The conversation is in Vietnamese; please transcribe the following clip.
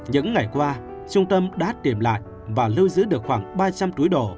những ngày qua trung tâm đã tìm lại và lưu giữ được khoảng ba trăm linh túi đồ